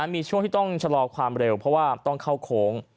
มีช่วงที่ต้องชะลอความเร็วเพราะว่าต้องเข้าโค้ง